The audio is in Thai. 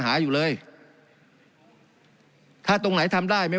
การปรับปรุงทางพื้นฐานสนามบิน